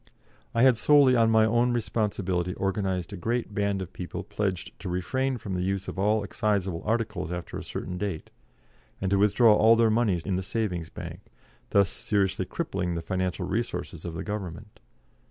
I had solely on my own responsibility organised a great band of people pledged to refrain from the use of all excisable articles after a certain date, and to withdraw all their moneys in the Savings Bank, thus seriously crippling the financial resources of the Government.